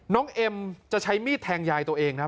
เอ็มจะใช้มีดแทงยายตัวเองครับ